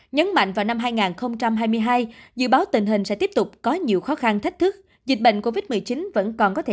nhấn mạnh vào năm hai nghìn hai mươi hai dự báo tình hình sẽ tiếp tục có nhiều khó khăn thách thức dịch bệnh covid một mươi chín vẫn còn có thể